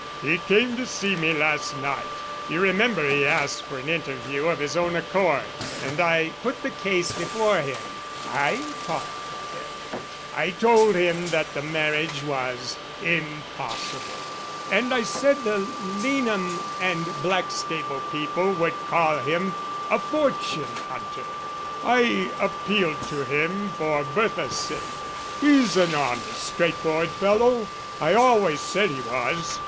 "He came to see me last night you remember he asked for an interview of his own accord and I put the case before him. I talked to him, I told him that the marriage was impossible; and I said the Leanham and Blackstable people would call him a fortune hunter. I appealed to him for Bertha's sake. He's an honest, straightforward fellow I always said he was.